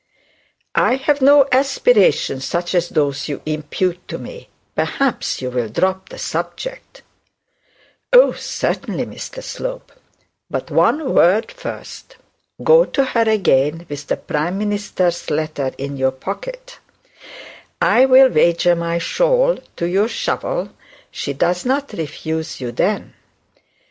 'I have no aspirations such as those you impute to me. Perhaps you will drop the subject.' 'Oh, certainly, Mr Slope; but one word first. Go to her again with the prime minister's letter in your pocket. I'll wager my shawl to your shovel she does not refuse you then.'